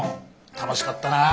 楽しかったなぁ